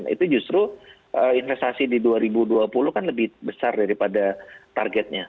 itu justru investasi di dua ribu dua puluh kan lebih besar daripada targetnya